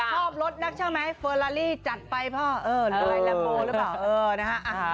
ชอบรถน่ะใช่มั้ยเฟอราลีจัดไปเพราะเออรายลาโบหรือเปล่าเออนะฮะ